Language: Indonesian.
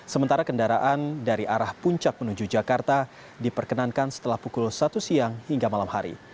sementara kendaraan dari arah puncak menuju jakarta diperkenankan setelah pukul satu siang hingga malam hari